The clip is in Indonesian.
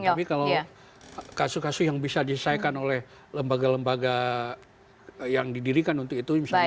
tapi kalau kasus kasus yang bisa diselesaikan oleh lembaga lembaga yang didirikan untuk itu misalnya